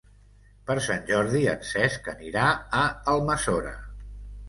Per Sant Jordi en Cesc anirà a Almassora.